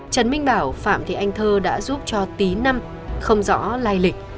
trần minh bảo phạm thị anh thơ đã giúp cho tí năm không rõ lai lịch